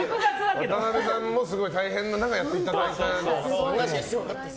渡部さんもすごい大変な中やっていただいたので。